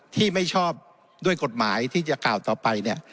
ที่ไม่ชอบด้วยกฎหมายที่จะกล่าวต่อไปเนี่ย